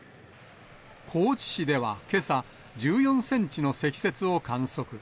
高知市ではけさ、１４センチの積雪を観測。